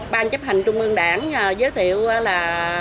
ban chấp hành trung ương đảng giới thiệu là